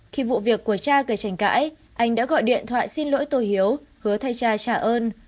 khi vụ việc của cha gây tranh cãi anh đã gọi điện thoại xin lỗi tô hiếu hứa thay cha trả ơn